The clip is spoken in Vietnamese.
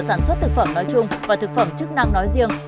sản xuất thực phẩm nói chung và thực phẩm chức năng nói riêng